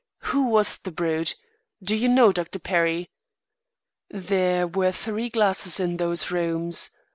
"Who was the brute? Do you know, Dr. Perry?" "There were three glasses in those rooms.